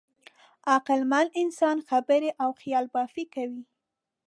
عقلمن انسان خبرې او خیالبافي کوي.